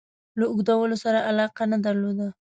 له اوږدولو سره علاقه نه درلوده.